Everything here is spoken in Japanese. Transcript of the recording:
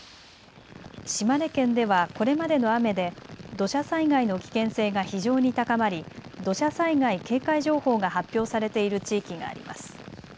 島根県ではこれまでの雨で土砂災害の危険性が非常に高まり土砂災害警戒情報が発表されている地域があります。